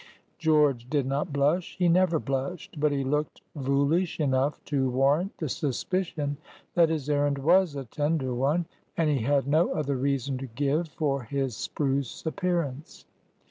George did not blush,—he never blushed,—but he looked "voolish" enough to warrant the suspicion that his errand was a tender one, and he had no other reason to give for his spruce appearance.